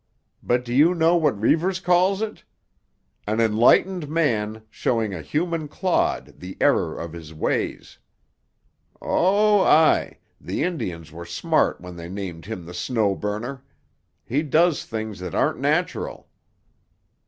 But do you know what Reivers calls it? An enlightened man showing a human clod the error of his ways. Oh, aye; the Indians were smart when they named him the Snow Burner. He does things that aren't natural."